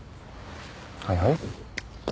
はいはい。